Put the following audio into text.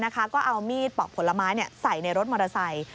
ก็เอามีดปอกผลไม้ใส่ในรถมอเตอร์ไซค์